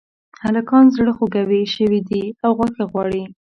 هلکان زړخوږي شوي دي او غوښه غواړي